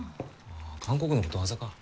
韓国のことわざか。